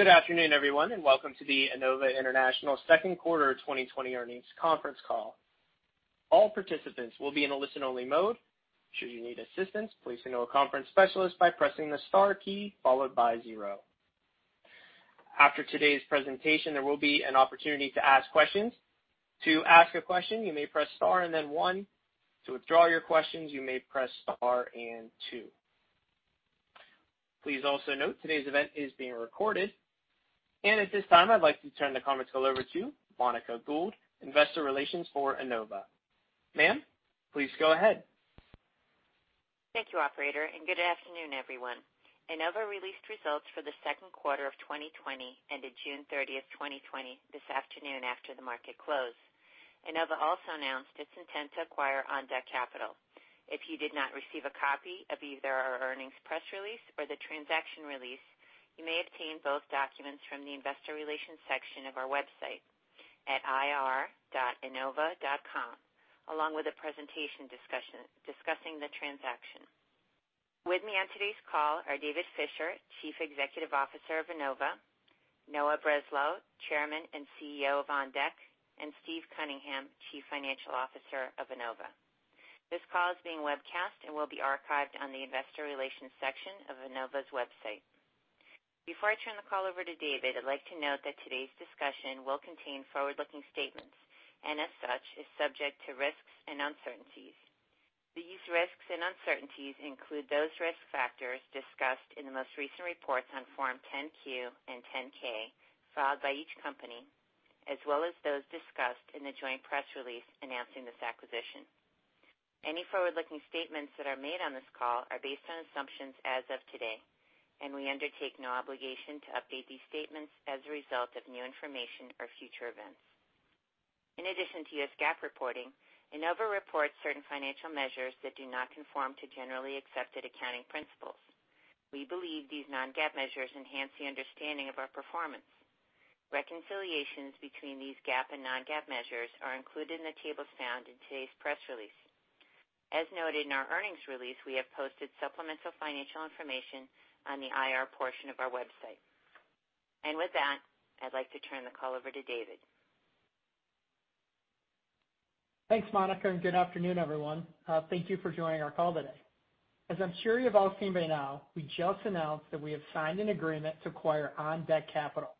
Good afternoon, everyone, and welcome to the Enova International second quarter 2020 earnings conference call. All participants will be in a listen-only mode. Should you need assistance, please let know a conference specialist by pressing the star key followed by zero. After today's presentation, there will be an opportunity to ask questions. To ask a question, you may press star and then one. To withdraw your questions, you may press star and two. Please also note today's event is being recorded. At this time, I'd like to turn the comments call over to Monica Gould, investor relations for Enova. Ma'am, please go ahead. Thank you, operator, good afternoon, everyone. Enova released results for the second quarter of 2020, ended June 30th, 2020 this afternoon after the market closed. Enova also announced its intent to acquire OnDeck Capital. If you did not receive a copy of either our earnings press release or the transaction release, you may obtain both documents from the investor relations section of our website at ir.enova.com, along with a presentation discussing the transaction. With me on today's call are David Fisher, Chief Executive Officer of Enova, Noah Breslow, Chairman and CEO of OnDeck, and Steve Cunningham, Chief Financial Officer of Enova. This call is being webcast and will be archived on the investor relations section of Enova's website. Before I turn the call over to David, I'd like to note that today's discussion will contain forward-looking statements, and as such, is subject to risks and uncertainties. These risks and uncertainties include those risk factors discussed in the most recent reports on Form 10-Q and 10-K filed by each company, as well as those discussed in the joint press release announcing this acquisition. Any forward-looking statements that are made on this call are based on assumptions as of today, and we undertake no obligation to update these statements as a result of new information or future events. In addition to US GAAP reporting, Enova reports certain financial measures that do not conform to generally accepted accounting principles. We believe these non-GAAP measures enhance the understanding of our performance. Reconciliations between these GAAP and non-GAAP measures are included in the tables found in today's press release. As noted in our earnings release, we have posted supplemental financial information on the IR portion of our website. With that, I'd like to turn the call over to David. Thanks, Monica. Good afternoon, everyone. Thank you for joining our call today. As I'm sure you've all seen by now, we just announced that we have signed an agreement to acquire OnDeck Capital.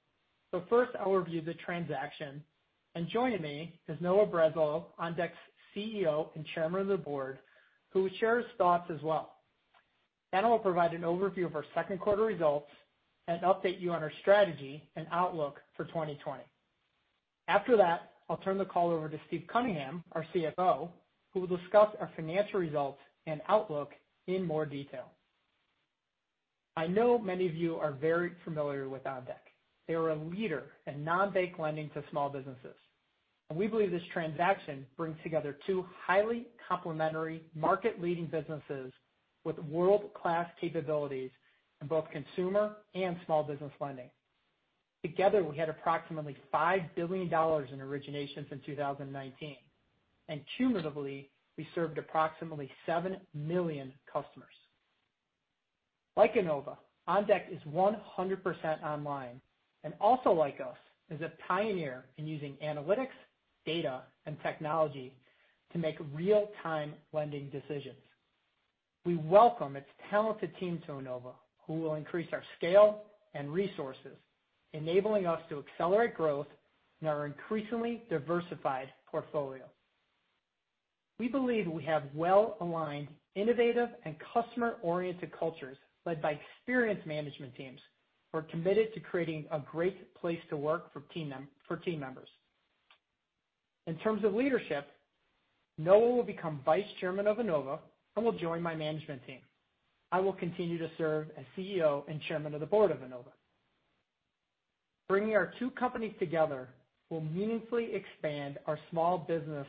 First, I'll review the transaction, and joining me is Noah Breslow, OnDeck's CEO and Chairman of the Board, who will share his thoughts as well. I will provide an overview of our second quarter results and update you on our strategy and outlook for 2020. After that, I'll turn the call over to Steve Cunningham, our CFO, who will discuss our financial results and outlook in more detail. I know many of you are very familiar with OnDeck. They are a leader in non-bank lending to small businesses, and we believe this transaction brings together two highly complementary market-leading businesses with world-class capabilities in both consumer and small business lending. Together, we had approximately $5 billion in originations in 2019, and cumulatively, we served approximately seven million customers. Like Enova, OnDeck is 100% online, and also like us, is a pioneer in using analytics, data, and technology to make real-time lending decisions. We welcome its talented team to Enova, who will increase our scale and resources, enabling us to accelerate growth in our increasingly diversified portfolio. We believe we have well-aligned, innovative, and customer-oriented cultures led by experienced management teams who are committed to creating a great place to work for team members. In terms of leadership, Noah will become Vice Chairman of Enova and will join my management team. I will continue to serve as CEO and Chairman of the Board of Enova. Bringing our two companies together will meaningfully expand our small business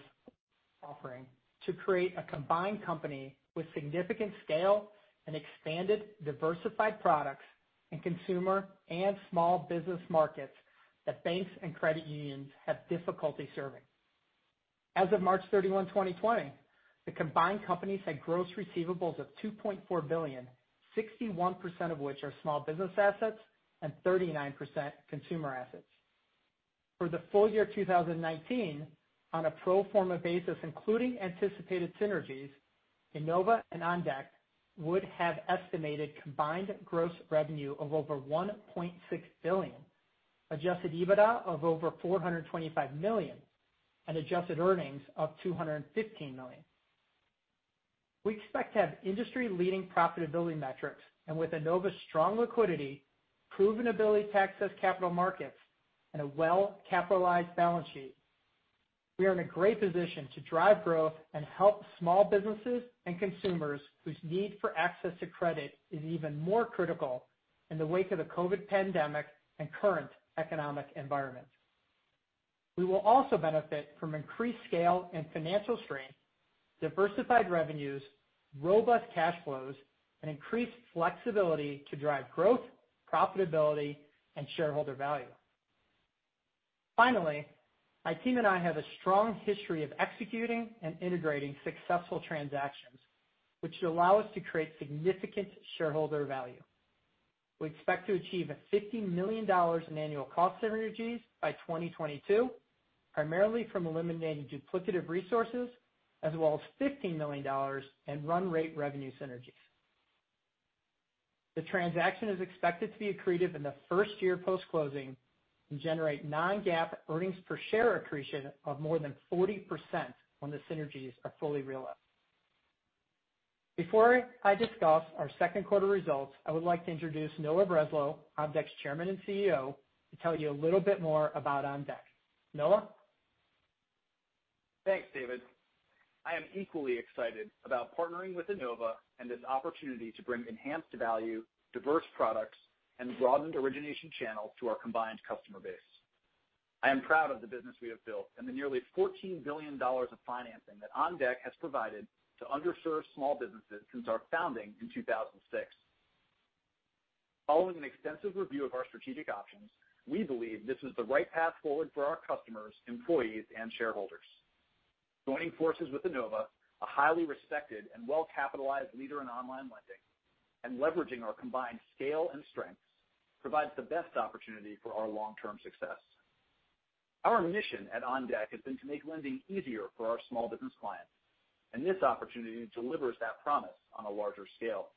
offering to create a combined company with significant scale and expanded diversified products in consumer and small business markets that banks and credit unions have difficulty serving. As of March 31, 2020, the combined companies had gross receivables of $2.4 billion, 61% of which are small business assets and 39% consumer assets. For the full year 2019, on a pro forma basis, including anticipated synergies, Enova and OnDeck would have estimated combined gross revenue of over $1.6 billion, adjusted EBITDA of over $425 million, and adjusted earnings of $215 million. We expect to have industry-leading profitability metrics, and with Enova's strong liquidity, proven ability to access capital markets, and a well-capitalized balance sheet, we are in a great position to drive growth and help small businesses and consumers whose need for access to credit is even more critical in the wake of the COVID pandemic and current economic environment. We will also benefit from increased scale and financial strength, diversified revenues, robust cash flows, and increased flexibility to drive growth, profitability, and shareholder value. Finally, my team and I have a strong history of executing and integrating successful transactions, which allow us to create significant shareholder value. We expect to achieve a $50 million in annual cost synergies by 2022, primarily from eliminating duplicative resources, as well as $15 million in run rate revenue synergies. The transaction is expected to be accretive in the first year post-closing and generate non-GAAP earnings per share accretion of more than 40% when the synergies are fully realized. Before I discuss our second quarter results, I would like to introduce Noah Breslow, OnDeck's Chairman and CEO, to tell you a little bit more about OnDeck. Noah? Thanks, David. I am equally excited about partnering with Enova and this opportunity to bring enhanced value, diverse products, and broadened origination channels to our combined customer base. I am proud of the business we have built and the nearly $14 billion of financing that OnDeck has provided to underserved small businesses since our founding in 2006. Following an extensive review of our strategic options, we believe this is the right path forward for our customers, employees and shareholders. Joining forces with Enova, a highly respected and well-capitalized leader in online lending, and leveraging our combined scale and strengths provides the best opportunity for our long-term success. Our mission at OnDeck has been to make lending easier for our small business clients, and this opportunity delivers that promise on a larger scale.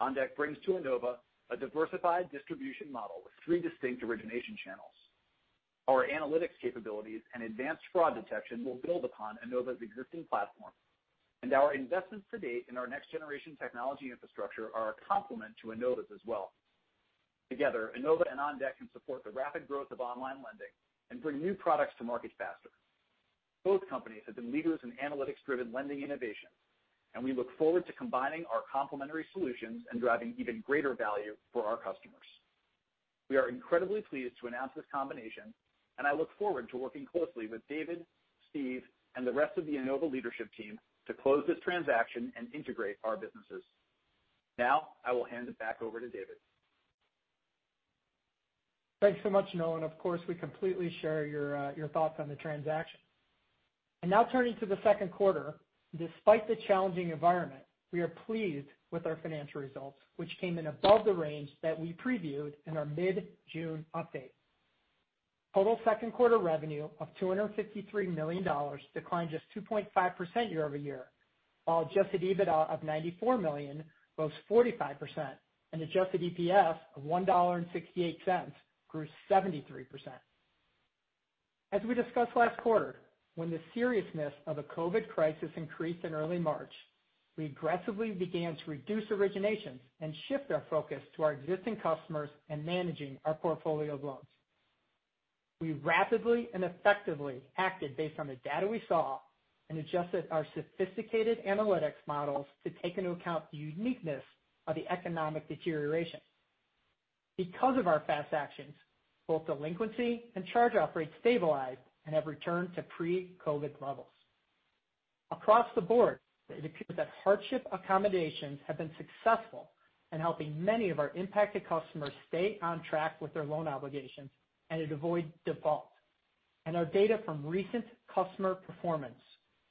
OnDeck brings to Enova a diversified distribution model with three distinct origination channels. Our analytics capabilities and advanced fraud detection will build upon Enova's existing platform, and our investments to date in our next-generation technology infrastructure are a complement to Enova's as well. Together, Enova and OnDeck can support the rapid growth of online lending and bring new products to market faster. Both companies have been leaders in analytics-driven lending innovation, and we look forward to combining our complementary solutions and driving even greater value for our customers. We are incredibly pleased to announce this combination, and I look forward to working closely with David, Steve, and the rest of the Enova leadership team to close this transaction and integrate our businesses. Now I will hand it back over to David. Thanks so much, Noah, of course, we completely share your thoughts on the transaction. Now turning to the second quarter. Despite the challenging environment, we are pleased with our financial results, which came in above the range that we previewed in our mid-June update. Total second quarter revenue of $253 million declined just 2.5% year-over-year, while adjusted EBITDA of $94 million rose 45%, and adjusted EPS of $1.68 grew 73%. As we discussed last quarter, when the seriousness of the COVID crisis increased in early March, we aggressively began to reduce originations and shift our focus to our existing customers and managing our portfolio of loans. We rapidly and effectively acted based on the data we saw and adjusted our sophisticated analytics models to take into account the uniqueness of the economic deterioration. Because of our fast actions, both delinquency and charge-off rates stabilized and have returned to pre-COVID levels. Across the board, it appears that hardship accommodations have been successful in helping many of our impacted customers stay on track with their loan obligations and avoid default. Our data from recent customer performance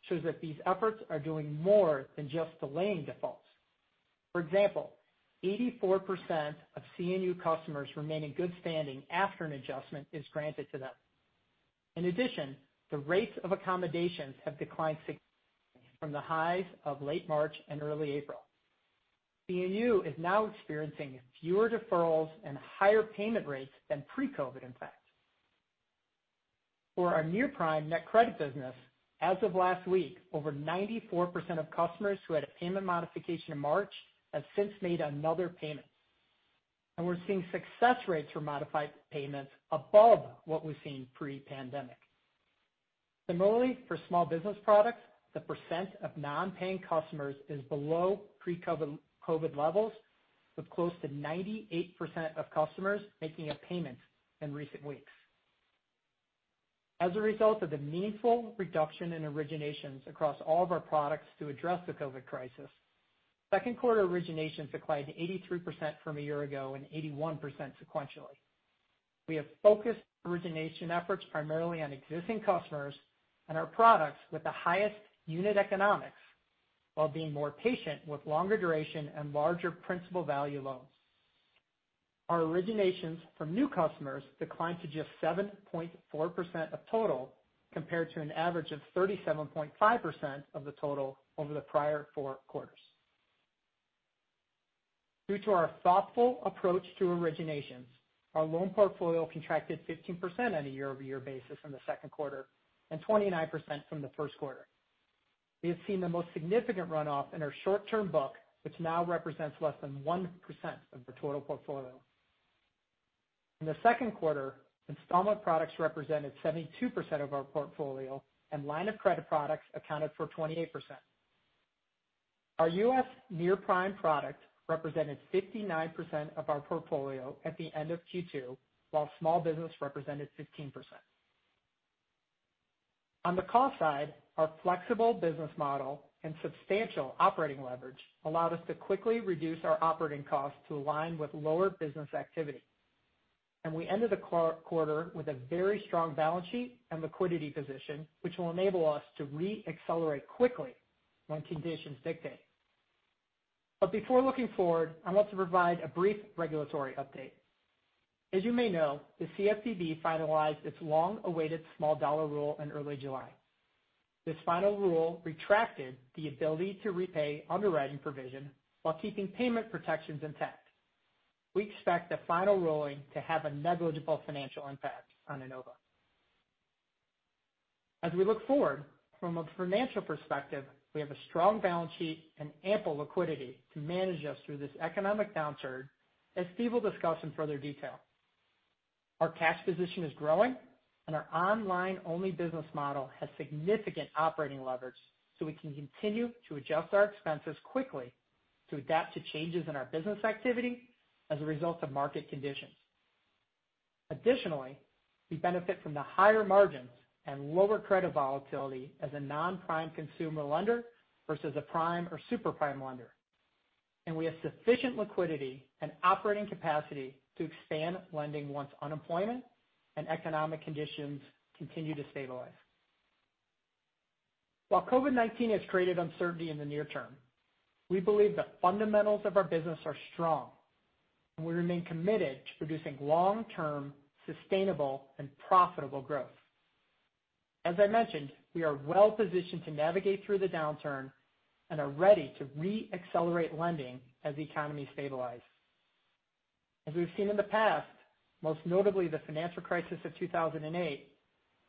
shows that these efforts are doing more than just delaying defaults. For example, 84% of CNU customers remain in good standing after an adjustment is granted to them. In addition, the rates of accommodations have declined significantly from the highs of late March and early April. CNU is now experiencing fewer deferrals and higher payment rates than pre-COVID, in fact. For our near-prime NetCredit business, as of last week, over 94% of customers who had a payment modification in March have since made another payment. We're seeing success rates for modified payments above what we've seen pre-pandemic. Similarly, for small business products, the percent of non-paying customers is below pre-COVID levels, with close to 98% of customers making a payment in recent weeks. As a result of the meaningful reduction in originations across all of our products to address the COVID crisis, second quarter originations declined 83% from a year ago and 81% sequentially. We have focused origination efforts primarily on existing customers and our products with the highest unit economics while being more patient with longer duration and larger principal value loans. Our originations from new customers declined to just 7.4% of total, compared to an average of 37.5% of the total over the prior four quarters. Due to our thoughtful approach to originations, our loan portfolio contracted 15% on a year-over-year basis in the second quarter and 29% from the first quarter. We have seen the most significant runoff in our short-term book, which now represents less than 1% of the total portfolio. In the second quarter, installment products represented 72% of our portfolio, and line of credit products accounted for 28%. Our U.S. near-prime product represented 59% of our portfolio at the end of Q2, while small business represented 15%. On the cost side, our flexible business model and substantial operating leverage allowed us to quickly reduce our operating costs to align with lower business activity. We ended the quarter with a very strong balance sheet and liquidity position, which will enable us to re-accelerate quickly when conditions dictate. Before looking forward, I want to provide a brief regulatory update. As you may know, the CFPB finalized its long-awaited small dollar rule in early July. This final rule retracted the ability to repay underwriting provision while keeping payment protections intact. We expect the final ruling to have a negligible financial impact on Enova. As we look forward, from a financial perspective, we have a strong balance sheet and ample liquidity to manage us through this economic downturn, as Steve will discuss in further detail. Our cash position is growing, and our online-only business model has significant operating leverage. We can continue to adjust our expenses quickly to adapt to changes in our business activity as a result of market conditions. Additionally, we benefit from the higher margins and lower credit volatility as a non-prime consumer lender versus a prime or super-prime lender. We have sufficient liquidity and operating capacity to expand lending once unemployment and economic conditions continue to stabilize. While COVID-19 has created uncertainty in the near term, we believe the fundamentals of our business are strong, and we remain committed to producing long-term, sustainable, and profitable growth. As I mentioned, we are well-positioned to navigate through the downturn and are ready to re-accelerate lending as the economy stabilizes. As we've seen in the past, most notably the financial crisis of 2008,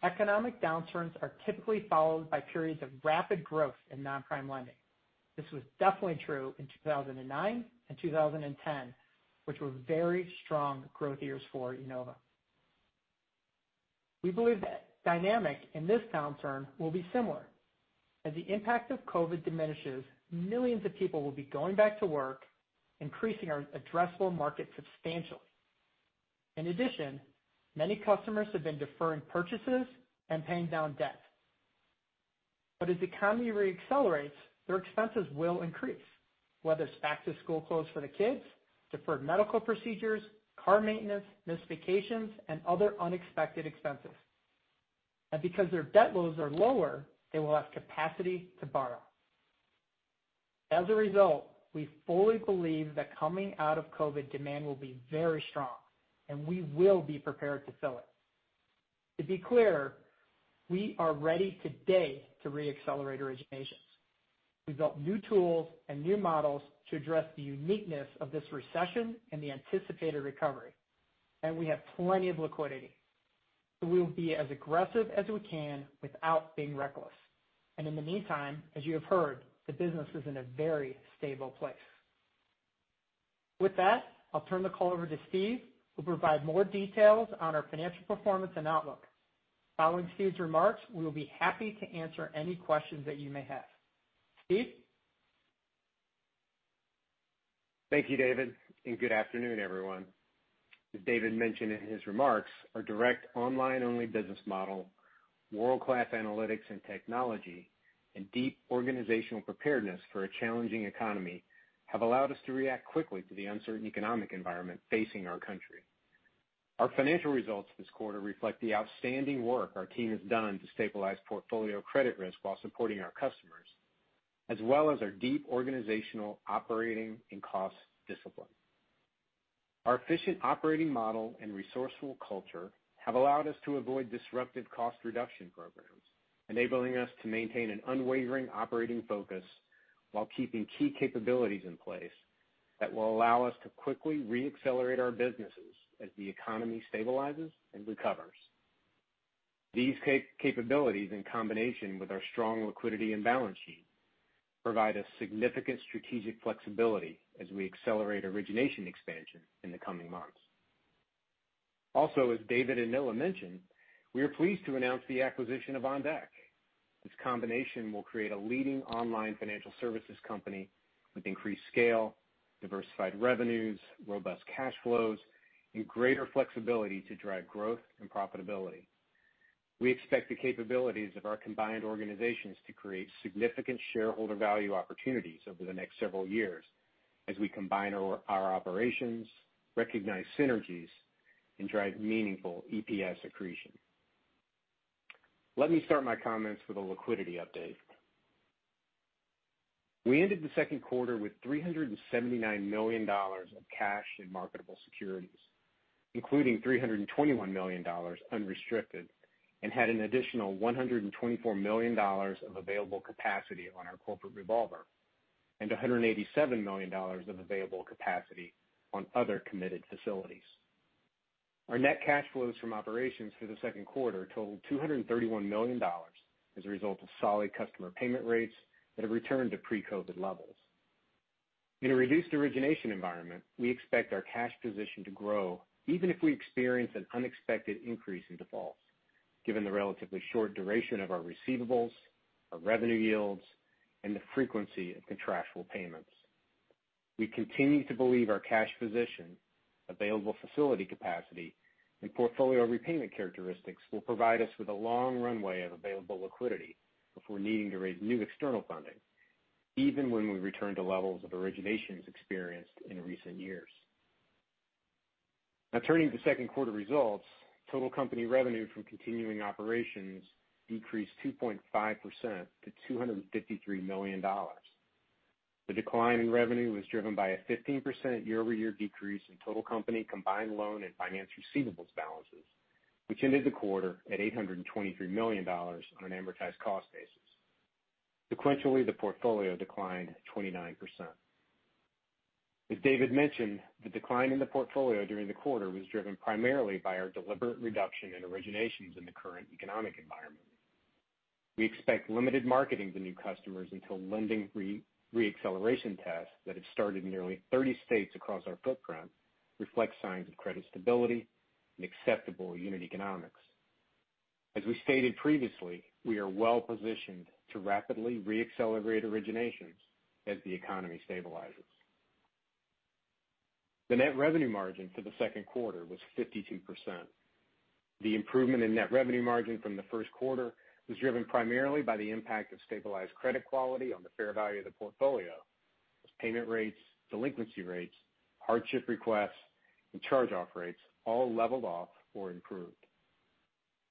economic downturns are typically followed by periods of rapid growth in non-prime lending. This was definitely true in 2009 and 2010, which were very strong growth years for Enova. We believe that dynamic in this downturn will be similar. As the impact of COVID diminishes, millions of people will be going back to work, increasing our addressable market substantially. In addition, many customers have been deferring purchases and paying down debt. As the economy re-accelerates, their expenses will increase, whether it's back-to-school clothes for the kids, deferred medical procedures, car maintenance, missed vacations, and other unexpected expenses. Because their debt loads are lower, they will have capacity to borrow. As a result, we fully believe that coming out of COVID, demand will be very strong, and we will be prepared to fill it. To be clear, we are ready today to re-accelerate originations. We built new tools and new models to address the uniqueness of this recession and the anticipated recovery, and we have plenty of liquidity. We will be as aggressive as we can without being reckless. In the meantime, as you have heard, the business is in a very stable place. With that, I'll turn the call over to Steve, who'll provide more details on our financial performance and outlook. Following Steve's remarks, we will be happy to answer any questions that you may have. Steve? Thank you, David. Good afternoon, everyone. As David mentioned in his remarks, our direct online-only business model, world-class analytics and technology, and deep organizational preparedness for a challenging economy have allowed us to react quickly to the uncertain economic environment facing our country. Our financial results this quarter reflect the outstanding work our team has done to stabilize portfolio credit risk while supporting our customers, as well as our deep organizational operating and cost discipline. Our efficient operating model and resourceful culture have allowed us to avoid disruptive cost reduction programs, enabling us to maintain an unwavering operating focus while keeping key capabilities in place that will allow us to quickly re-accelerate our businesses as the economy stabilizes and recovers. These capabilities, in combination with our strong liquidity and balance sheet, provide us significant strategic flexibility as we accelerate origination expansion in the coming months. As David and Noah mentioned, we are pleased to announce the acquisition of OnDeck. This combination will create a leading online financial services company with increased scale, diversified revenues, robust cash flows, and greater flexibility to drive growth and profitability. We expect the capabilities of our combined organizations to create significant shareholder value opportunities over the next several years as we combine our operations, recognize synergies, and drive meaningful EPS accretion. Let me start my comments with a liquidity update. We ended the second quarter with $379 million of cash in marketable securities, including $321 million unrestricted, and had an additional $124 million of available capacity on our corporate revolver and $187 million of available capacity on other committed facilities. Our net cash flows from operations for the second quarter totaled $231 million as a result of solid customer payment rates that have returned to pre-COVID levels. In a reduced origination environment, we expect our cash position to grow even if we experience an unexpected increase in defaults, given the relatively short duration of our receivables, our revenue yields, and the frequency of contractual payments. We continue to believe our cash position, available facility capacity, and portfolio repayment characteristics will provide us with a long runway of available liquidity before needing to raise new external funding, even when we return to levels of originations experienced in recent years. Now, turning to second quarter results. Total company revenue from continuing operations decreased 2.5% to $253 million. The decline in revenue was driven by a 15% year-over-year decrease in total company combined loan and finance receivables balances, which ended the quarter at $823 million on an amortized cost basis. Sequentially, the portfolio declined 29%. As David mentioned, the decline in the portfolio during the quarter was driven primarily by our deliberate reduction in originations in the current economic environment. We expect limited marketing to new customers until lending re-acceleration tests that have started in nearly 30 states across our footprint reflect signs of credit stability and acceptable unit economics. As we stated previously, we are well-positioned to rapidly re-accelerate originations as the economy stabilizes. The net revenue margin for the second quarter was 52%. The improvement in net revenue margin from the first quarter was driven primarily by the impact of stabilized credit quality on the fair value of the portfolio as payment rates, delinquency rates, hardship requests, and charge-off rates all leveled off or improved.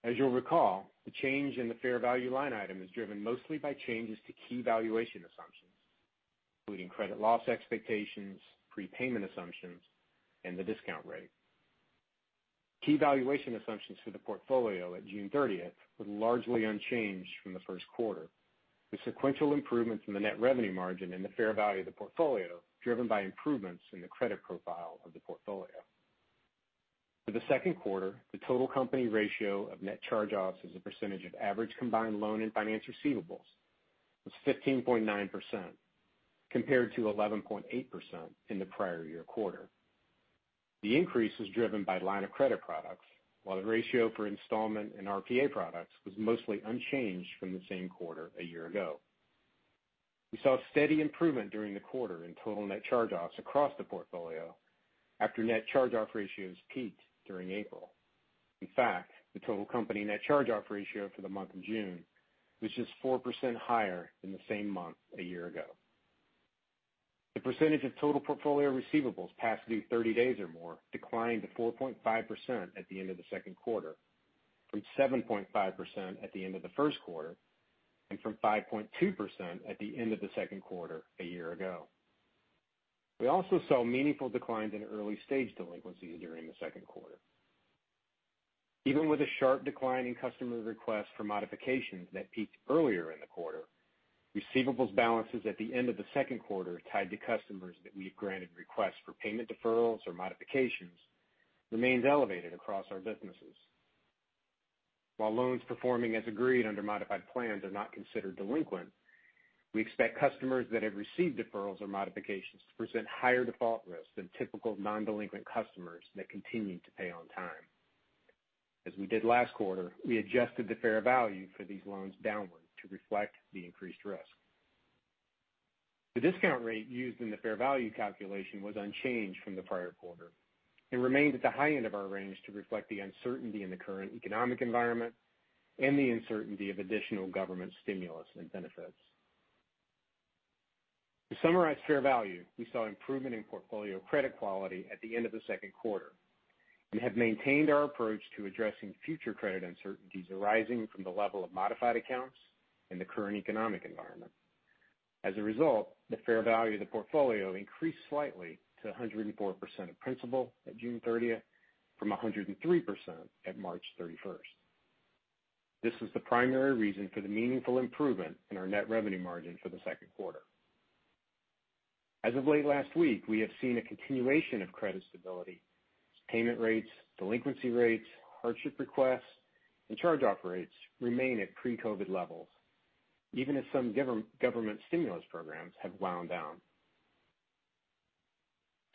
As you'll recall, the change in the fair value line item is driven mostly by changes to key valuation assumptions, including credit loss expectations, prepayment assumptions, and the discount rate. Key valuation assumptions for the portfolio at June 30th were largely unchanged from the first quarter, with sequential improvements in the net revenue margin and the fair value of the portfolio driven by improvements in the credit profile of the portfolio. For the second quarter, the total company ratio of net charge-offs as a percentage of average combined loan and finance receivables was 15.9%, compared to 11.8% in the prior year quarter. The increase was driven by line of credit products, while the ratio for installment and RPA products was mostly unchanged from the same quarter a year ago. We saw steady improvement during the quarter in total net charge-offs across the portfolio after net charge-off ratios peaked during April. In fact, the total company net charge-off ratio for the month of June was just 4% higher than the same month a year ago. The percentage of total portfolio receivables past due 30 days or more declined to 4.5% at the end of the second quarter from 7.5% at the end of the first quarter and from 5.2% at the end of the second quarter a year ago. We also saw meaningful declines in early-stage delinquencies during the second quarter. Even with a sharp decline in customer requests for modifications that peaked earlier in the quarter, receivables balances at the end of the second quarter tied to customers that we have granted requests for payment deferrals or modifications remains elevated across our businesses. While loans performing as agreed under modified plans are not considered delinquent, we expect customers that have received deferrals or modifications to present higher default risk than typical non-delinquent customers that continue to pay on time. As we did last quarter, we adjusted the fair value for these loans downward to reflect the increased risk. The discount rate used in the fair value calculation was unchanged from the prior quarter and remained at the high end of our range to reflect the uncertainty in the current economic environment and the uncertainty of additional government stimulus and benefits. To summarize fair value, we saw improvement in portfolio credit quality at the end of the second quarter and have maintained our approach to addressing future credit uncertainties arising from the level of modified accounts in the current economic environment. As a result, the fair value of the portfolio increased slightly to 104% of principal at June 30th from 103% at March 31st. This was the primary reason for the meaningful improvement in our net revenue margin for the second quarter. As of late last week, we have seen a continuation of credit stability as payment rates, delinquency rates, hardship requests, and charge-off rates remain at pre-COVID levels, even as some government stimulus programs have wound down.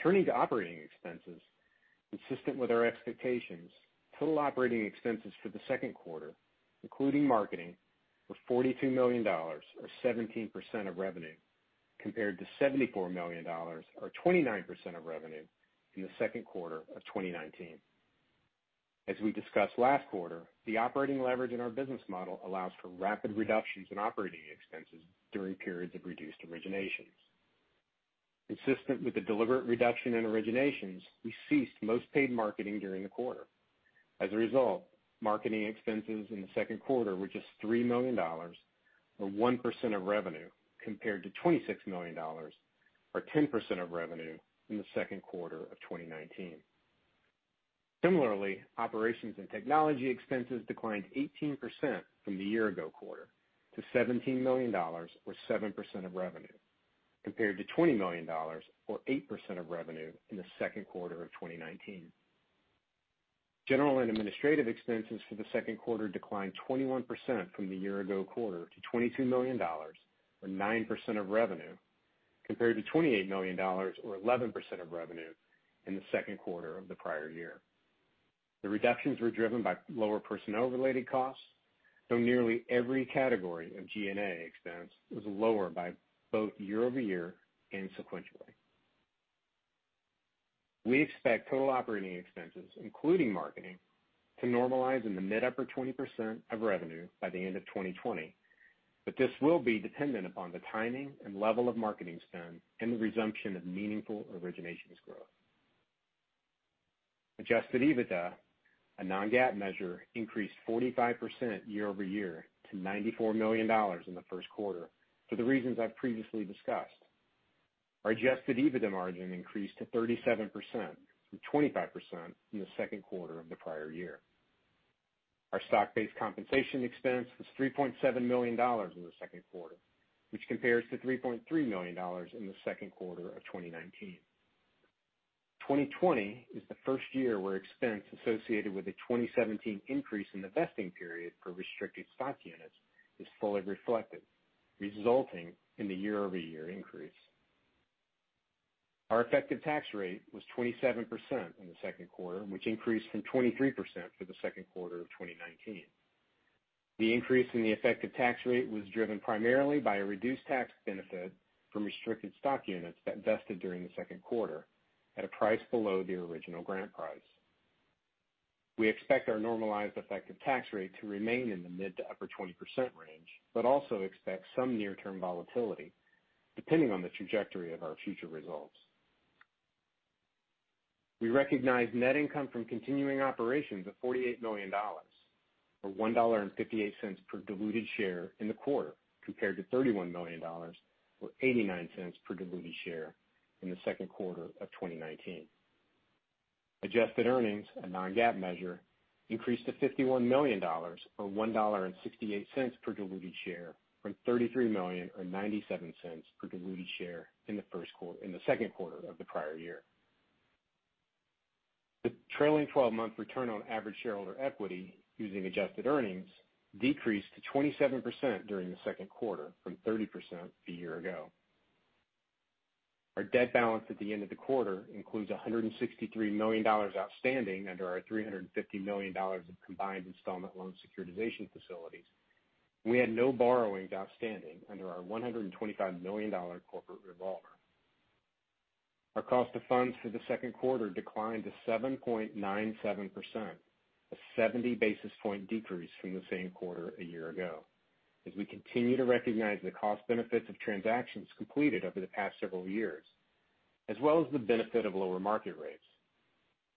Turning to operating expenses. Consistent with our expectations, total operating expenses for the second quarter, including marketing, were $42 million, or 17% of revenue, compared to $74 million or 29% of revenue in the second quarter of 2019. As we discussed last quarter, the operating leverage in our business model allows for rapid reductions in operating expenses during periods of reduced originations. Consistent with the deliberate reduction in originations, we ceased most paid marketing during the quarter. As a result, marketing expenses in the second quarter were just $3 million, or 1% of revenue, compared to $26 million, or 10% of revenue, in the second quarter of 2019. Similarly, operations and technology expenses declined 18% from the year-ago quarter to $17 million or 7% of revenue, compared to $20 million or 8% of revenue in the second quarter of 2019. General and administrative expenses for the second quarter declined 21% from the year-ago quarter to $22 million or 9% of revenue, compared to $28 million or 11% of revenue in the second quarter of the prior year. The reductions were driven by lower personnel-related costs, though nearly every category of G&A expense was lower by both year-over-year and sequentially. We expect total operating expenses, including marketing, to normalize in the mid-upper 20% of revenue by the end of 2020. This will be dependent upon the timing and level of marketing spend and the resumption of meaningful originations growth. Adjusted EBITDA, a non-GAAP measure, increased 45% year-over-year to $94 million in the first quarter for the reasons I've previously discussed. Our adjusted EBITDA margin increased to 37% from 25% in the second quarter of the prior year. Our stock-based compensation expense was $3.7 million in the second quarter, which compares to $3.3 million in the second quarter of 2019. 2020 is the first year where expense associated with the 2017 increase in the vesting period for restricted stock units is fully reflected, resulting in the year-over-year increase. Our effective tax rate was 27% in the second quarter, which increased from 23% for the second quarter of 2019. The increase in the effective tax rate was driven primarily by a reduced tax benefit from restricted stock units that vested during the second quarter at a price below the original grant price. We expect our normalized effective tax rate to remain in the mid to upper 20% range, but also expect some near-term volatility, depending on the trajectory of our future results. We recognized net income from continuing operations of $48 million, or $1.58 per diluted share in the quarter, compared to $31 million or $0.89 per diluted share in the second quarter of 2019. Adjusted earnings, a non-GAAP measure, increased to $51 million, or $1.68 per diluted share from $33 million or $0.97 per diluted share in the second quarter of the prior year. The trailing 12-month return on average shareholder equity using adjusted earnings decreased to 27% during the second quarter from 30% a year ago. Our debt balance at the end of the quarter includes $163 million outstanding under our $350 million of combined installment loan securitization facilities. We had no borrowings outstanding under our $125 million corporate revolver. Our cost of funds for the second quarter declined to 7.97%, a 70-basis point decrease from the same quarter a year ago as we continue to recognize the cost benefits of transactions completed over the past several years, as well as the benefit of lower market rates.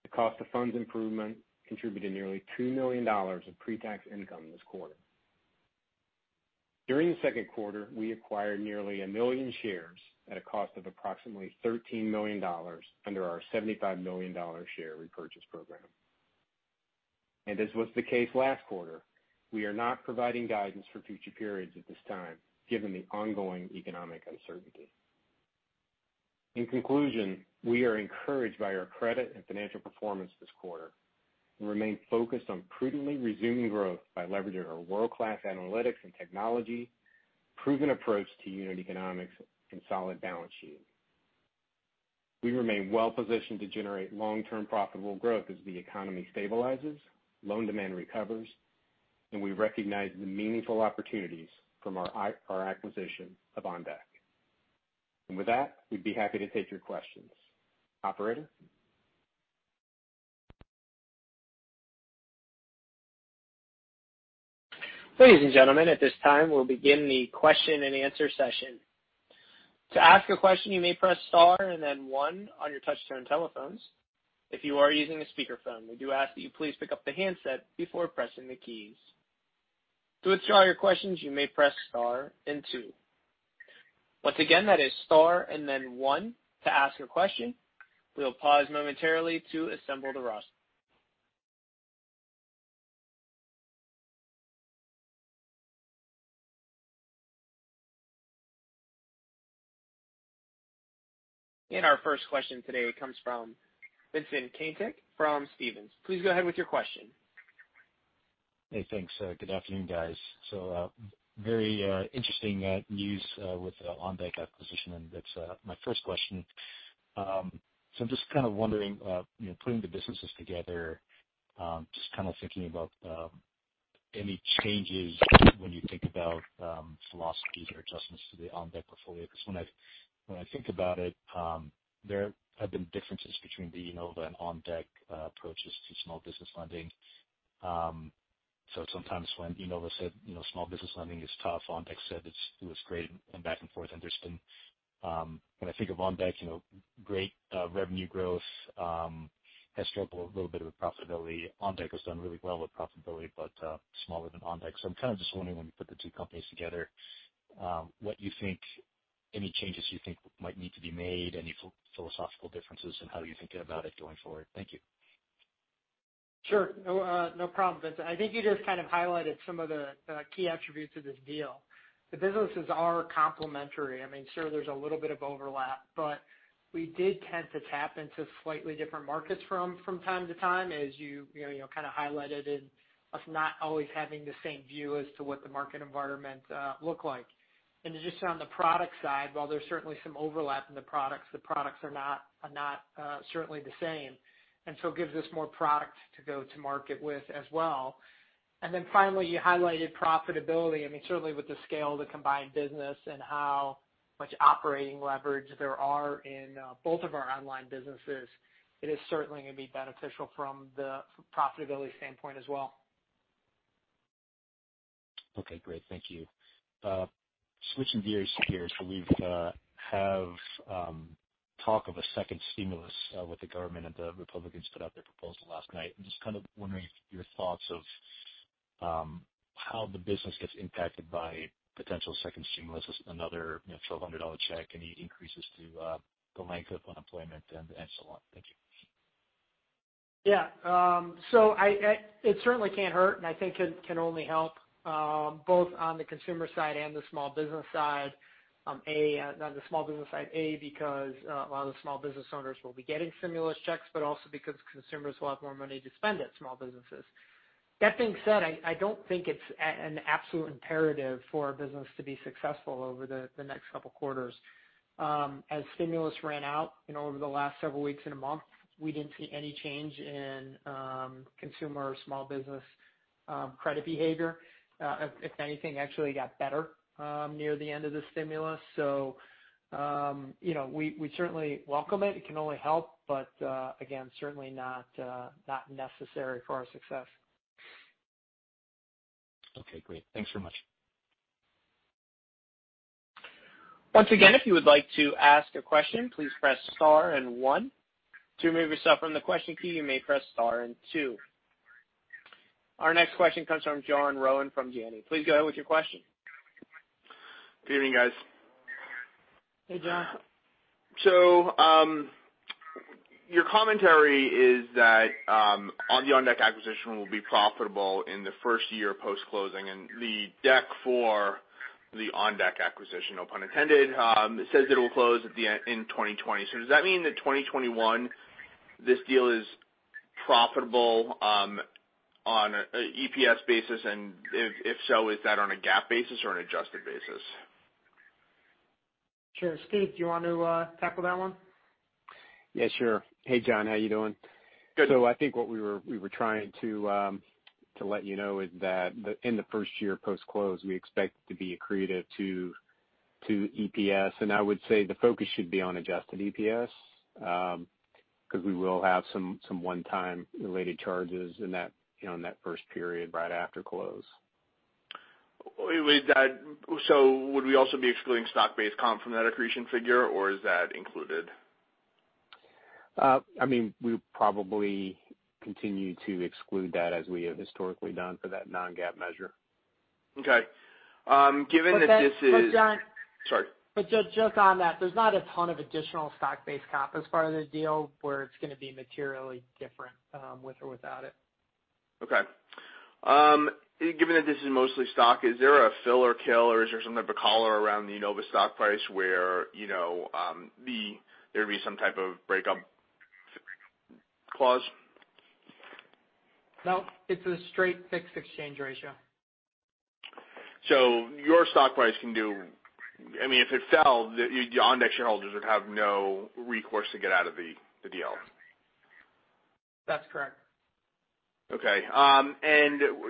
The cost of funds improvement contributed nearly $2 million of pre-tax income this quarter. During the second quarter, we acquired nearly 1 million shares at a cost of approximately $13 million under our $75 million share repurchase program. As was the case last quarter, we are not providing guidance for future periods at this time, given the ongoing economic uncertainty. In conclusion, we are encouraged by our credit and financial performance this quarter and remain focused on prudently resuming growth by leveraging our world-class analytics and technology, proven approach to unit economics, and solid balance sheet. We remain well-positioned to generate long-term profitable growth as the economy stabilizes, loan demand recovers, and we recognize the meaningful opportunities from our acquisition of OnDeck. With that, we'd be happy to take your questions. Operator? Ladies and gentlemen, at this time, we'll begin the question-and-answer session. To ask a question, you may press star and then one on your touch-tone telephones. If you are using a speakerphone, we do ask that you please pick up the handset before pressing the keys. To withdraw your questions, you may press star and two. Once again, that is star and then one to ask a question. We'll pause momentarily to assemble the roster. Our first question today comes from Vincent Caintic from Stephens. Please go ahead with your question. Hey, thanks. Good afternoon, guys. Very interesting news with the OnDeck acquisition, and that's my first question. I'm just kind of wondering, putting the businesses together, just kind of thinking about any changes when you think about philosophies or adjustments to the OnDeck portfolio. Because when I think about it, there have been differences between the Enova and OnDeck approaches to small business funding. Sometimes when Enova said small business lending is tough, OnDeck said it was great and back and forth. When I think of OnDeck, great revenue growth, has struggled a little bit with profitability. Enova has done really well with profitability, but smaller than OnDeck. I'm kind of just wondering when you put the two companies together, any changes you think might need to be made, any philosophical differences, and how are you thinking about it going forward? Thank you. Sure. No problem, Vincent. I think you just kind of highlighted some of the key attributes of this deal. The businesses are complementary. I mean, sure, there's a little bit of overlap, but we did tend to tap into slightly different markets from time to time, as you kind of highlighted in us not always having the same view as to what the market environment looked like. Just on the product side, while there's certainly some overlap in the products, the products are not certainly the same. It gives us more product to go to market with as well. Finally, you highlighted profitability. I mean, certainly with the scale of the combined business and how much operating leverage there are in both of our online businesses, it is certainly going to be beneficial from the profitability standpoint as well. Okay, great. Thank you. Switching gears here. We have talk of a second stimulus with the government, and the Republicans put out their proposal last night. I'm just kind of wondering your thoughts of how the business gets impacted by potential second stimulus, another $1,200 check, any increases to the length of unemployment and so on. Thank you. Yeah. It certainly can't hurt, and I think it can only help, both on the consumer side and the small business side. On the small business side, A, because a lot of the small business owners will be getting stimulus checks, but also because consumers will have more money to spend at small businesses. That being said, I don't think it's an absolute imperative for our business to be successful over the next couple of quarters. As stimulus ran out over the last several weeks and a month, we didn't see any change in consumer or small business credit behavior. If anything, it actually got better near the end of the stimulus. We certainly welcome it. It can only help. Again, certainly not necessary for our success. Okay, great. Thanks so much. Once again, if you would like to ask a question, please press star and one. To remove yourself from the question queue, you may press star and two. Our next question comes from John Rowan from Janney. Please go ahead with your question. Good evening, guys. Hey, John. Your commentary is that the OnDeck acquisition will be profitable in the first year post-closing, and the deck for the OnDeck acquisition, no pun intended, says it will close at the end in 2020. Does that mean that 2021, this deal is profitable on an EPS basis? If so, is that on a GAAP basis or an adjusted basis? Sure. Steve, do you want to tackle that one? Yeah, sure. Hey, John. How you doing? Good. I think what we were trying to let you know is that in the first year post-close, we expect to be accretive to EPS. I would say the focus should be on adjusted EPS, because we will have some one-time related charges in that first period right after close. Would we also be excluding stock-based comp from that accretion figure, or is that included? I mean, we'll probably continue to exclude that as we have historically done for that non-GAAP measure. Okay. Given that this is- John. Sorry. Just on that, there's not a ton of additional stock-based comp as part of the deal where it's going to be materially different with or without it. Okay. Given that this is mostly stock, is there a fill or kill, or is there some type of collar around the Enova stock price where there would be some type of breakup clause? No, it's a straight fixed exchange ratio. Your stock price if it fell, the OnDeck shareholders would have no recourse to get out of the deal. That's correct. Okay.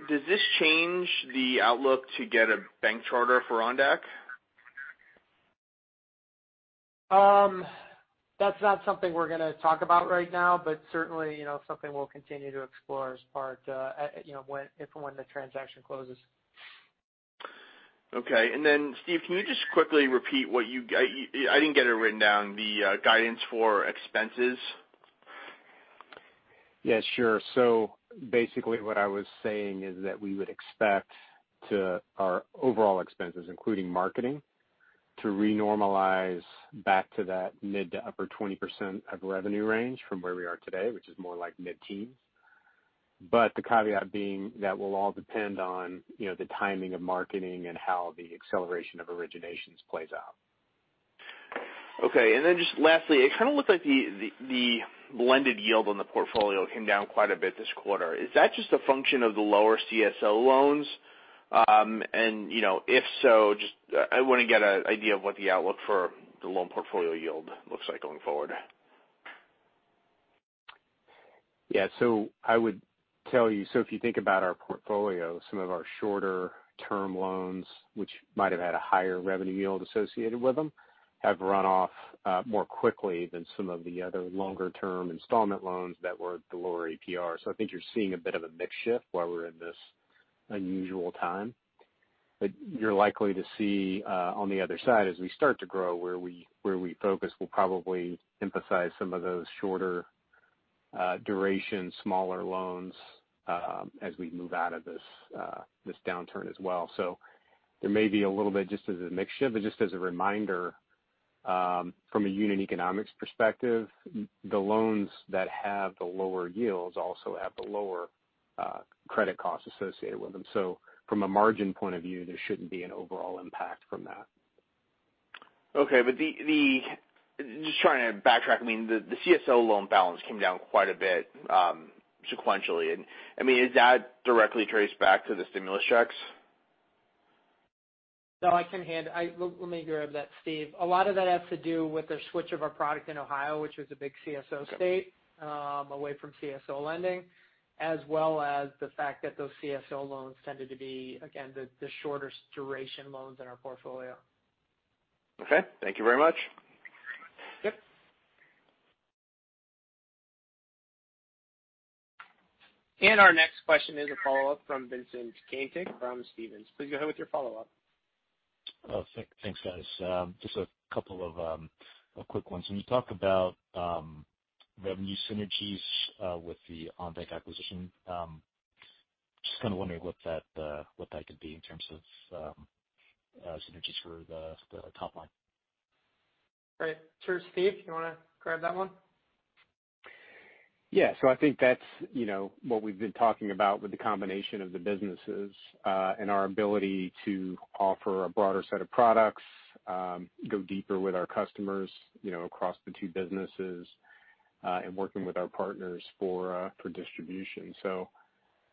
Does this change the outlook to get a bank charter for OnDeck? That's not something we're going to talk about right now, but certainly, something we'll continue to explore as part, if and when the transaction closes. Okay. Then Steve, can you just quickly repeat, I didn't get it written down, the guidance for expenses? Yeah, sure. Basically what I was saying is that we would expect our overall expenses, including marketing, to re-normalize back to that mid to upper 20% of revenue range from where we are today, which is more like mid-teens. The caveat being that will all depend on the timing of marketing and how the acceleration of originations plays out. Okay. Just lastly, it kind of looked like the blended yield on the portfolio came down quite a bit this quarter. Is that just a function of the lower CSO loans? If so, I want to get an idea of what the outlook for the loan portfolio yield looks like going forward. I would tell you, if you think about our portfolio, some of our shorter-term loans, which might have had a higher revenue yield associated with them, have run off more quickly than some of the other longer-term installment loans that were at the lower APR. I think you're seeing a bit of a mix shift while we're in this unusual time. You're likely to see, on the other side as we start to grow, where we focus will probably emphasize some of those shorter duration, smaller loans as we move out of this downturn as well. There may be a little bit just as a mix shift. Just as a reminder, from a unit economics perspective, the loans that have the lower yields also have the lower credit costs associated with them. From a margin point of view, there shouldn't be an overall impact from that. Okay. Just trying to backtrack. I mean, the CSO loan balance came down quite a bit sequentially. I mean, is that directly traced back to the stimulus checks? No, I can handle. Let me grab that, Steve. A lot of that has to do with the switch of our product in Ohio, which was a big CSO state, away from CSO lending, as well as the fact that those CSO loans tended to be, again, the shortest duration loans in our portfolio. Okay. Thank you very much. Yep. Our next question is a follow-up from Vincent Caintic from Stephens. Please go ahead with your follow-up. Oh, thanks guys. Just a couple of quick ones. When you talk about revenue synergies with the OnDeck acquisition, just kind of wondering what that could be in terms of synergies for the top line? Right. Sure. Steve, you want to grab that one? Yeah. I think that's what we've been talking about with the combination of the businesses, and our ability to offer a broader set of products, go deeper with our customers across the two businesses, and working with our partners for distribution.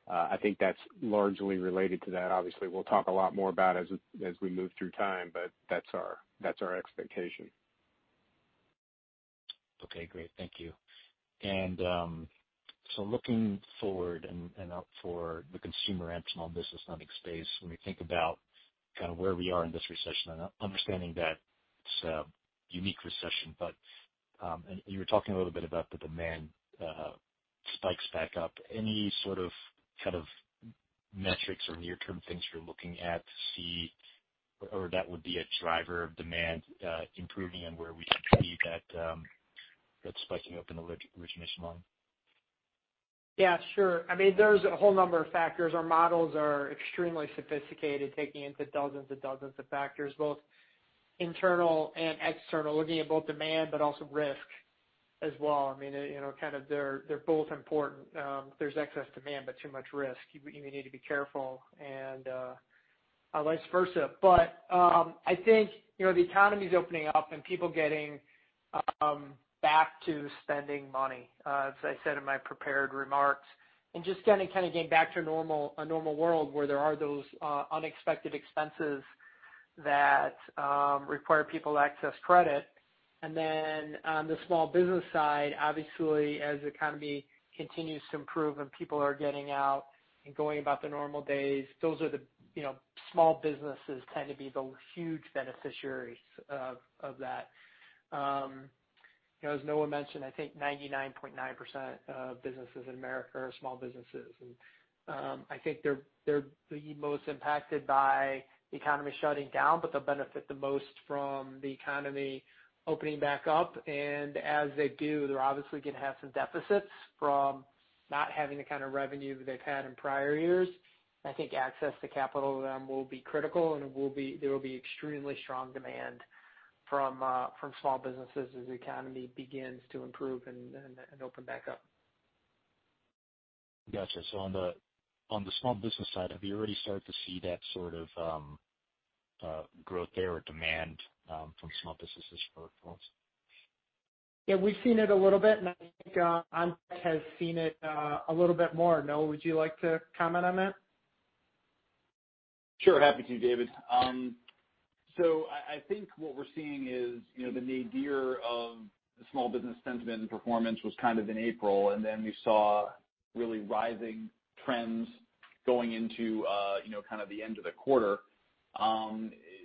I think that's largely related to that. Obviously, we'll talk a lot more about it as we move through time, but that's our expectation. Okay, great. Thank you. Looking forward and out for the consumer and small business lending space, when we think about where we are in this recession, and understanding that it's a unique recession. You were talking a little bit about the demand spikes back up. Any sort of metrics or near-term things you're looking at to see or that would be a driver of demand improving and where we should see that spiking up in the origination line? Yeah, sure. There's a whole number of factors. Our models are extremely sophisticated, taking into dozens and dozens of factors, both internal and external, looking at both demand, but also risk as well. They're both important. There's excess demand, but too much risk. You need to be careful and vice versa. I think, the economy's opening up and people getting back to spending money, as I said in my prepared remarks, and just getting back to a normal world where there are those unexpected expenses that require people to access credit. On the small business side, obviously as the economy continues to improve and people are getting out and going about their normal days, small businesses tend to be the huge beneficiaries of that. As Noah mentioned, I think 99.9% of businesses in America are small businesses. I think they're the most impacted by the economy shutting down, but they'll benefit the most from the economy opening back up. As they do, they're obviously going to have some deficits from not having the kind of revenue they've had in prior years. I think access to capital to them will be critical, and there will be extremely strong demand from small businesses as the economy begins to improve and open back up. Got you. On the small business side, have you already started to see that sort of growth there or demand from small businesses for loans? Yeah, we've seen it a little bit, and I think OnDeck has seen it a little bit more. Noah, would you like to comment on that? Sure. Happy to, David. I think what we're seeing is the nadir of the small business sentiment and performance was in April, and then we saw really rising trends going into the end of the quarter.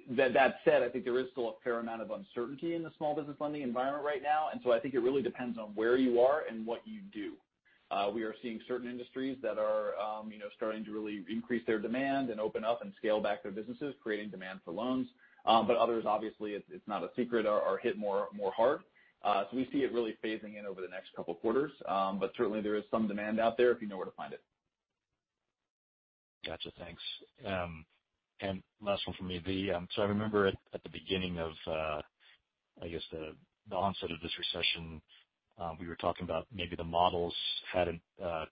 That said, I think there is still a fair amount of uncertainty in the small business lending environment right now, I think it really depends on where you are and what you do. We are seeing certain industries that are starting to really increase their demand and open up and scale back their businesses, creating demand for loans. Others, obviously it's not a secret, are hit more hard. We see it really phasing in over the next couple of quarters. Certainly there is some demand out there if you know where to find it. Got you. Thanks. Last one from me. I remember at the beginning of the onset of this recession, we were talking about maybe the models hadn't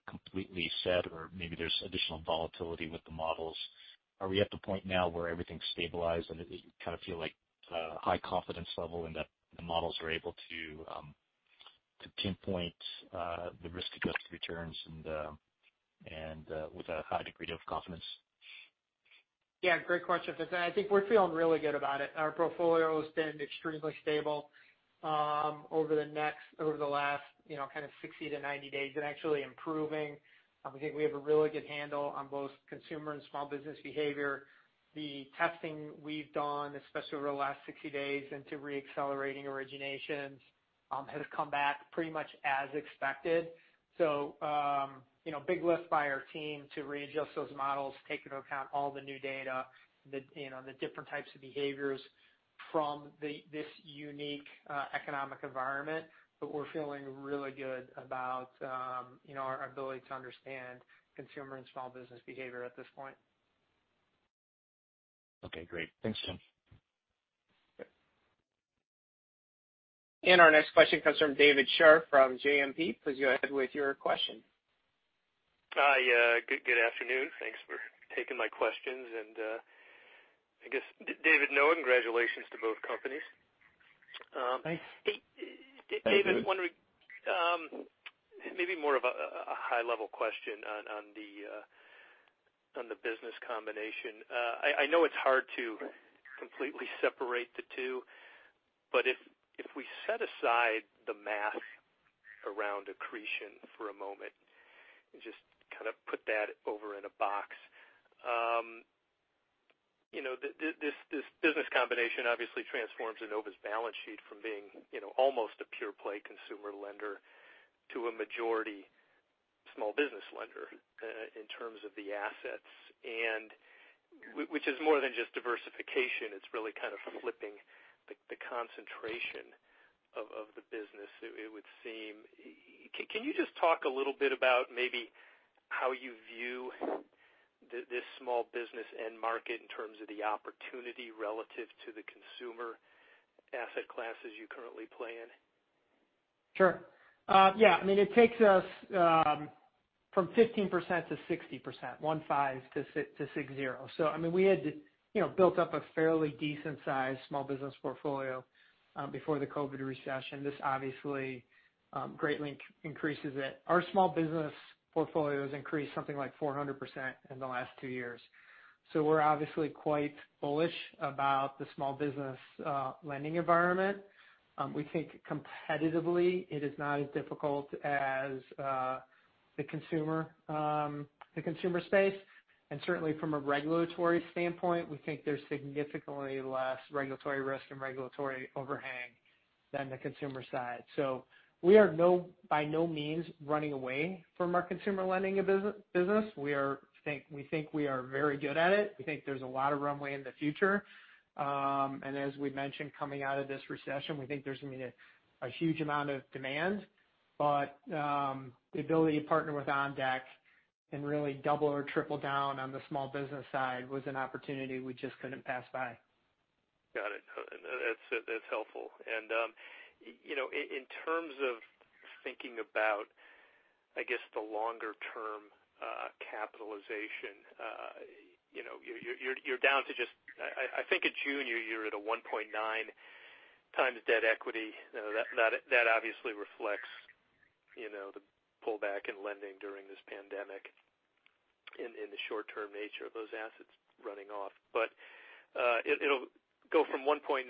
completely set or maybe there's additional volatility with the models. Are we at the point now where everything's stabilized, and you kind of feel like a high confidence level in that the models are able to pinpoint the risk-adjusted returns and with a high degree of confidence? Yeah, great question, Vincent. I think we're feeling really good about it. Our portfolio's been extremely stable over the last kind of 60-90 days and actually improving. I think we have a really good handle on both consumer and small business behavior. The testing we've done, especially over the last 60 days into re-accelerating originations, has come back pretty much as expected. Big lift by our team to readjust those models, take into account all the new data, the different types of behaviors from this unique economic environment. We're feeling really good about our ability to understand consumer and small business behavior at this point. Okay, great. Thanks, gentlemen. Our next question comes from David Scharf from JMP. Please go ahead with your question. Hi, good afternoon. Thanks for taking my questions. And, I guess, David and Noah, congratulations to both companies. Thanks. Thank you. Maybe more of a high-level question on the business combination. I know it's hard to completely separate the two, if we set aside the math around accretion for a moment and just put that over in a box. This business combination obviously transforms Enova's balance sheet from being almost a pure play consumer lender to a majority small business lender in terms of the assets. It is more than just diversification, it's really kind of flipping the concentration of the business, it would seem. Can you just talk a little bit about maybe how you view this small business end market in terms of the opportunity relative to the consumer asset classes you currently play in? Sure. Yeah. It takes us from 15%-60%. 15-60. We had built up a fairly decent sized small business portfolio before the COVID recession. This obviously greatly increases it. Our small business portfolio has increased something like 400% in the last two years. We're obviously quite bullish about the small business lending environment. We think competitively it is not as difficult as the consumer space. Certainly from a regulatory standpoint, we think there's significantly less regulatory risk and regulatory overhang than the consumer side. We are by no means running away from our consumer lending business. We think we are very good at it. We think there's a lot of runway in the future. As we mentioned, coming out of this recession, we think there's going to be a huge amount of demand. The ability to partner with OnDeck and really double or triple down on the small business side was an opportunity we just couldn't pass by. Got it. That's helpful. In terms of thinking about the longer-term capitalization. You're down to, I think at June, you're at a 1.9 times debt equity. That obviously reflects the pullback in lending during this pandemic and the short-term nature of those assets running off. It'll go from 1.9-4.5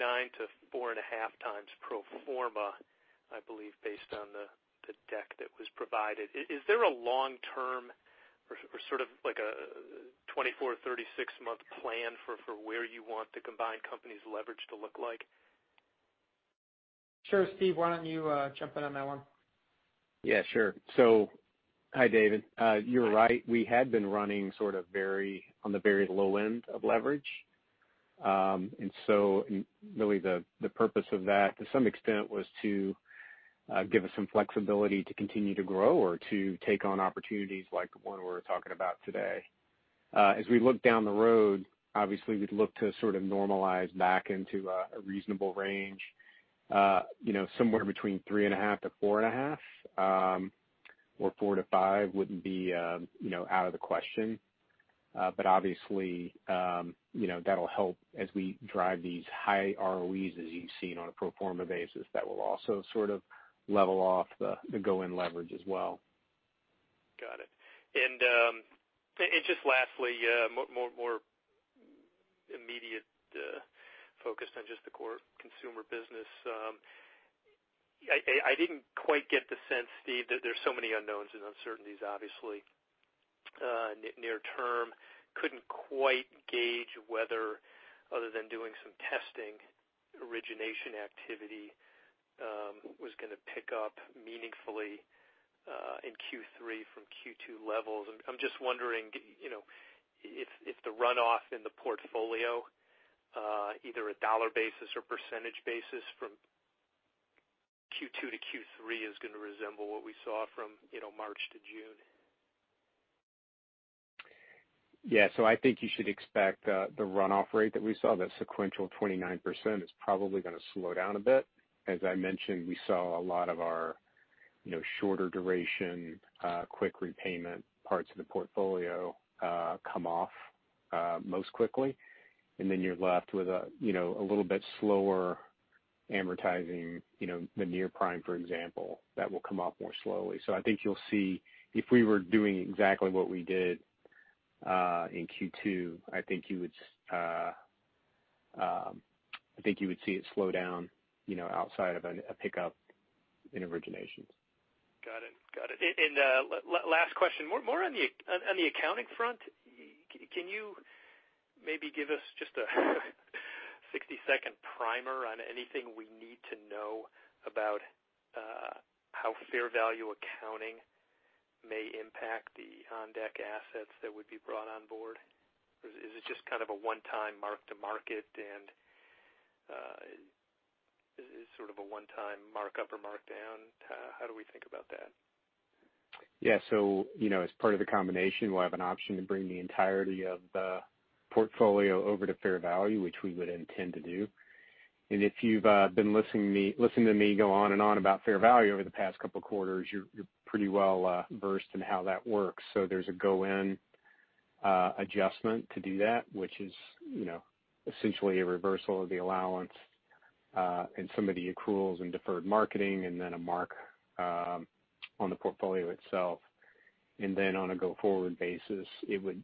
times pro forma, I believe, based on the deck that was provided. Is there a long-term or sort of like a 24, 36-month plan for where you want the combined company's leverage to look like? Sure. Steve, why don't you jump in on that one? Yeah, sure. Hi, David. You're right, we had been running sort of on the very low end of leverage. Really the purpose of that, to some extent, was to give us some flexibility to continue to grow or to take on opportunities like the one we're talking about today. As we look down the road, obviously we'd look to sort of normalize back into a reasonable range. Somewhere between three and a half to four and a half. Four to five wouldn't be out of the question. Obviously, that'll help as we drive these high ROEs, as you've seen on a pro forma basis. That will also sort of level off the go-in leverage as well. Got it. Just lastly, more immediate focus on just the core consumer business. I didn't quite get the sense, Steve, there's so many unknowns and uncertainties, obviously, near term. Couldn't quite gauge whether, other than doing some testing, origination activity was going to pick up meaningfully in Q3 from Q2 levels. I'm just wondering if the runoff in the portfolio either at dollar basis or percentage basis from Q2-Q3 is going to resemble what we saw from March to June. Yeah. I think you should expect the runoff rate that we saw, that sequential 29%, is probably going to slow down a bit. As I mentioned, we saw a lot of our shorter duration, quick repayment parts of the portfolio come off most quickly. You're left with a little bit slower amortizing, the near-prime, for example, that will come off more slowly. I think you'll see if we were doing exactly what we did in Q2, I think you would see it slow down outside of a pickup in originations. Got it. Last question. More on the accounting front. Can you maybe give us just a 60-second primer on anything we need to know about how fair value accounting may impact the OnDeck assets that would be brought on board? Is it just kind of a one-time mark to market, and is it sort of a one-time mark-up or mark-down? How do we think about that? As part of the combination, we'll have an option to bring the entirety of the portfolio over to fair value, which we would intend to do. If you've been listening to me go on and on about fair value over the past couple of quarters, you're pretty well versed in how that works. There's a go-in adjustment to do that, which is essentially a reversal of the allowance and some of the accruals in deferred marketing and then a mark on the portfolio itself. Then on a go-forward basis, it would,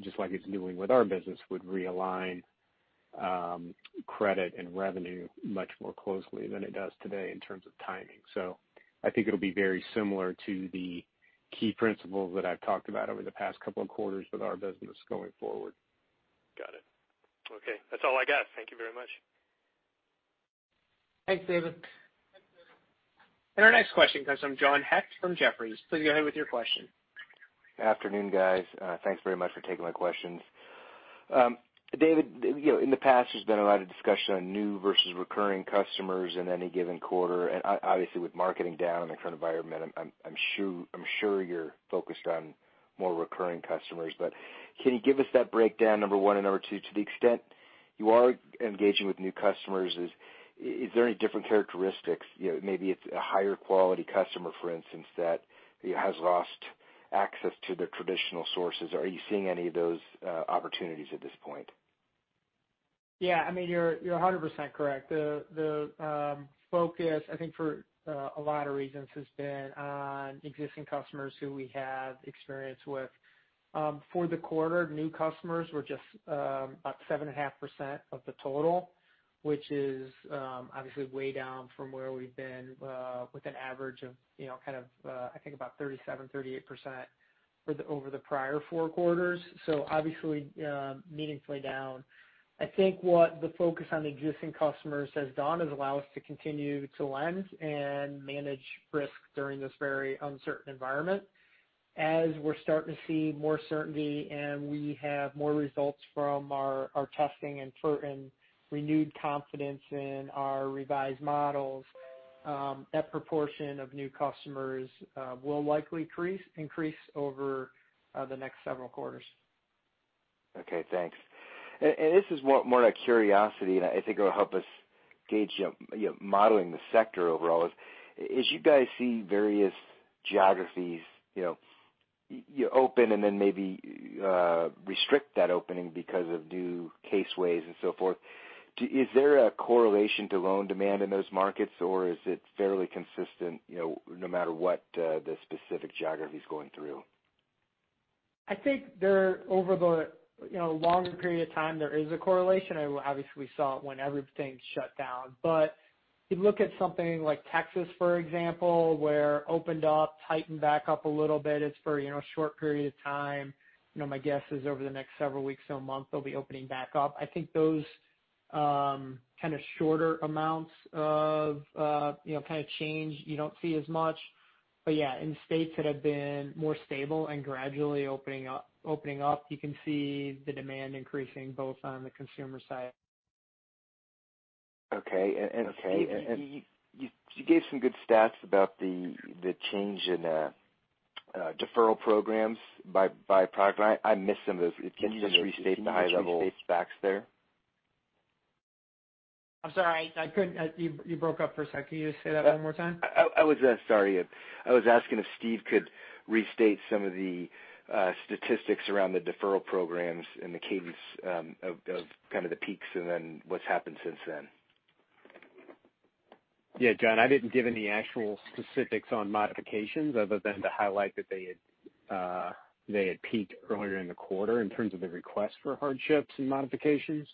just like it's doing with our business, would realign credit and revenue much more closely than it does today in terms of timing. I think it'll be very similar to the key principles that I've talked about over the past couple of quarters with our business going forward. Got it. Okay. That's all I got. Thank you very much. Thanks, David. Thanks, David. Our next question comes from John Hecht from Jefferies. Please go ahead with your question. Afternoon, guys. Thanks very much for taking my questions. David, in the past, there's been a lot of discussion on new versus recurring customers in any given quarter. Obviously with marketing down in the current environment, I'm sure you're focused on more recurring customers. Can you give us that breakdown, number one? Number two, to the extent you are engaging with new customers, is there any different characteristics? Maybe it's a higher quality customer, for instance, that has lost access to their traditional sources. Are you seeing any of those opportunities at this point? You're 100% correct. The focus, I think for a lot of reasons, has been on existing customers who we have experience with. For the quarter, new customers were just about 7.5% of the total, which is obviously way down from where we've been with an average of I think about 37%, 38% over the prior four quarters. Obviously, meaningfully down. I think what the focus on existing customers has done is allow us to continue to lend and manage risk during this very uncertain environment. As we're starting to see more certainty and we have more results from our testing and renewed confidence in our revised models, that proportion of new customers will likely increase over the next several quarters. Okay, thanks. This is more out of curiosity, and I think it'll help us gauge modeling the sector overall. As you guys see various geographies open and then maybe restrict that opening because of new case waves and so forth, is there a correlation to loan demand in those markets or is it fairly consistent no matter what the specific geography's going through? I think over the longer period of time, there is a correlation. Obviously we saw it when everything shut down. If you look at something like Texas, for example, where opened up, tightened back up a little bit. It's for a short period of time. My guess is over the next several weeks to a month, they'll be opening back up. I think those kind of shorter amounts of change you don't see as much. Yeah, in states that have been more stable and gradually opening up, you can see the demand increasing both on the consumer side. Okay. Steve, you gave some good stats about the change in deferral programs by product line. I missed some of it. Can you just restate the high-level facts there? I'm sorry. You broke up for a second. Can you just say that one more time? Sorry. I was asking if Steve could restate some of the statistics around the deferral programs and the cadence of kind of the peaks and then what's happened since then. Yeah, John, I didn't give any actual specifics on modifications other than to highlight that they had peaked earlier in the quarter in terms of the request for hardships and modifications.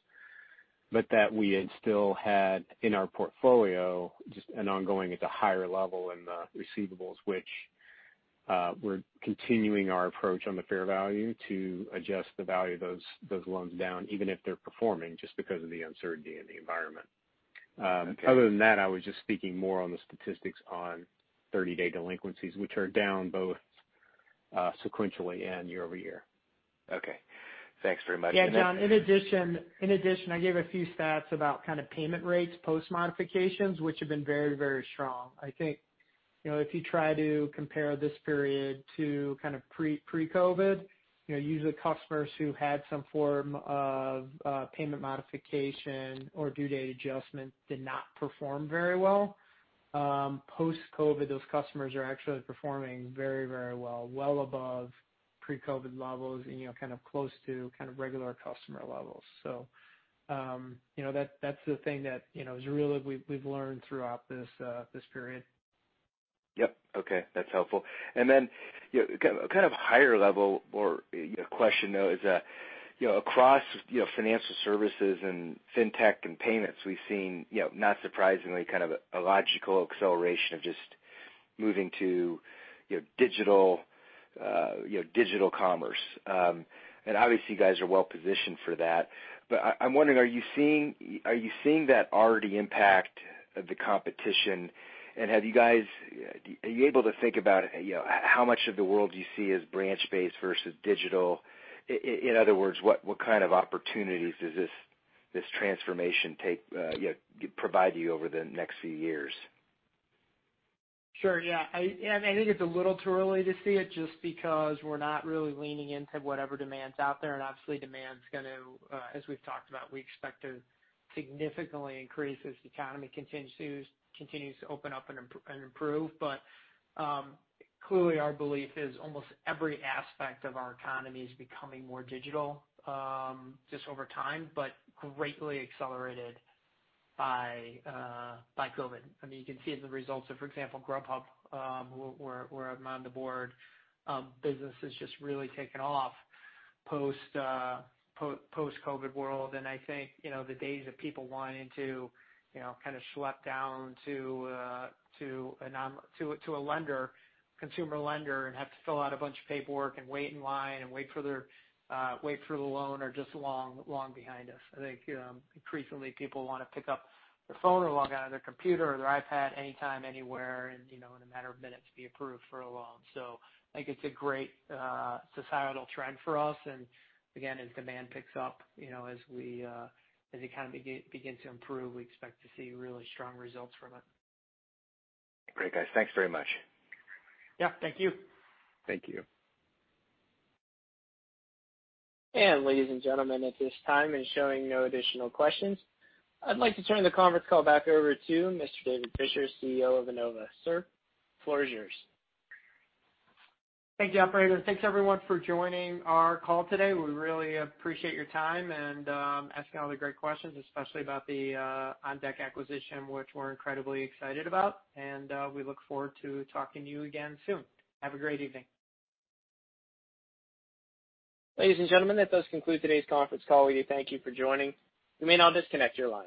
We had still had in our portfolio, just an ongoing at the higher level in the receivables, which we're continuing our approach on the fair value to adjust the value of those loans down even if they're performing, just because of the uncertainty in the environment. Okay. Other than that, I was just speaking more on the statistics on 30-day delinquencies, which are down both sequentially and year-over-year. Okay. Thanks very much. Yeah, John, in addition, I gave a few stats about payment rates, post modifications, which have been very strong. I think if you try to compare this period to pre-COVID, usually the customers who had some form of payment modification or due date adjustment did not perform very well. Post-COVID, those customers are actually performing very well. Well above pre-COVID levels and close to regular customer levels. That's the thing that is real that we've learned throughout this period. Yep. Okay. That's helpful. Then, kind of higher level or question though is, across financial services and fintech and payments, we've seen not surprisingly kind of a logical acceleration of just moving to digital commerce. Obviously you guys are well-positioned for that. I'm wondering, are you seeing that already impact the competition and are you able to think about how much of the world you see as branch-based versus digital? In other words, what kind of opportunities does this transformation provide you over the next few years? Sure, yeah. I think it's a little too early to see it just because we're not really leaning into whatever demand's out there. Obviously demand's going to, as we've talked about, we expect to significantly increase as the economy continues to open up and improve. Clearly our belief is almost every aspect of our economy is becoming more digital just over time, but greatly accelerated by COVID. You can see it in the results of, for example, Grubhub, where I'm on the board. Business has just really taken off post-COVID world. I think the days of people wanting to kind of schlep down to a lender, consumer lender, and have to fill out a bunch of paperwork and wait in line and wait for the loan are just long behind us. I think increasingly people want to pick up their phone or log on to their computer or their iPad anytime, anywhere and in a matter of minutes be approved for a loan. I think it's a great societal trend for us. Again, as demand picks up, as the economy begins to improve, we expect to see really strong results from it. Great, guys. Thanks very much. Yeah. Thank you. Thank you. Ladies and gentlemen, at this time and showing no additional questions, I'd like to turn the conference call back over to Mr. David Fisher, CEO of Enova. Sir, floor is yours. Thank you, operator. Thanks everyone for joining our call today. We really appreciate your time and asking all the great questions, especially about the OnDeck acquisition, which we're incredibly excited about. We look forward to talking to you again soon. Have a great evening. Ladies and gentlemen, that does conclude today's conference call. We thank you for joining. You may now disconnect your lines.